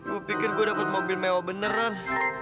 gua pikir gua dapet mobil mewah beneran